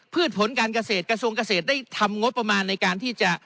ผลการเกษตรกระทรวงเกษตรได้ทำงบประมาณในการที่จะ